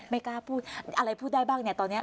ไม่กล้าพูดอะไรพูดได้บ้างเนี่ยตอนนี้